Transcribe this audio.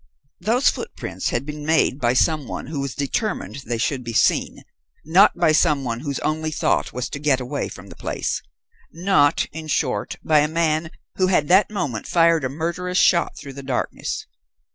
Those footprints had been made by some one who was determined they should be seen, not by some one whose only thought was to get away from the place; not, in short, by a man who had that moment fired a murderous shot through the darkness.